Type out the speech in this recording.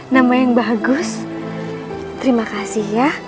nama yang bagus terima kasih ya